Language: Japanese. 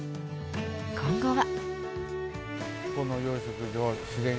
今後は。